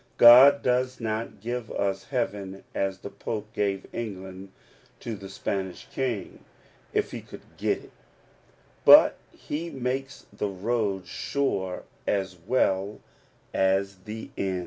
God does not give us heaven as the Pope gave England to the Spanish King — if he could get it : but he makes the road sure, as well as the end.